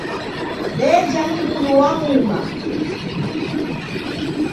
Deja mngulu wa muma.